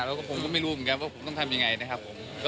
แล้วก็ผมก็ไม่รู้เหมือนกันว่าผมต้องทำยังไงนะครับผม